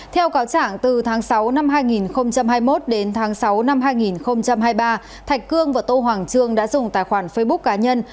theo cáo chẳng từ tháng sáu năm hai nghìn hai mươi một đến tháng sáu năm hai nghìn hai mươi ba thạch cương và tô hoàng trương đã dùng tài khoản facebook cá nhân